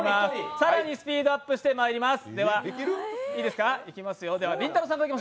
更にスピードアップしてまいります。